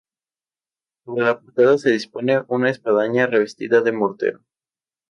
Sobre la portada se dispone una espadaña revestida de mortero.